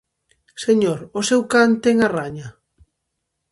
Señor, o seu can ten a raña.